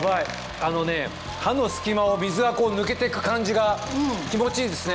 あのね歯の隙間を水がこう抜けてく感じが気持ちいいですね。